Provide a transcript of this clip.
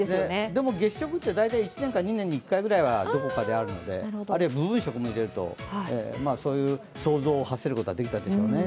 でも月食って、大体１年か２年に１回くらいはどこかであるので部分食も入れると、そういう想像をはせることはできたでしょうね。